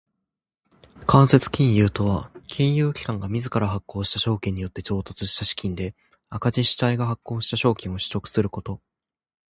間接金融とは金融機関が自ら発行した証券によって調達した資金で赤字主体が発行した証券を取得すること。